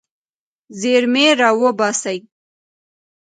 زیرمې راوباسئ.